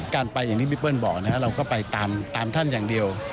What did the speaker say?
การไปอย่างที่พี่เปิ้ลบอกนะครับเราก็ไปตามท่านอย่างเดียว